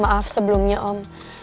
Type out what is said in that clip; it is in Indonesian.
maaf sebelumnya om